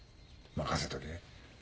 任せとけ。